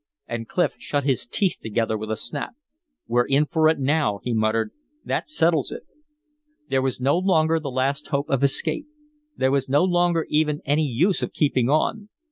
And Clif shut his teeth together with a snap. "We're in for it now," he muttered. "That settles it." There was no longer the last hope of escape. There was no longer even any use of keeping on.